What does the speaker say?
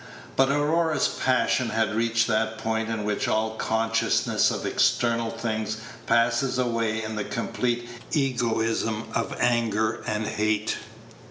But Aurora's Page 120 passion had reached that point in which all consciousness of external things passes away in the complete egoism of anger and hate.